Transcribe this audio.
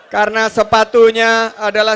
karena sepatunya adalah